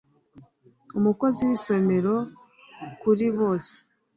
Umukozi w’Isomero kuri Bose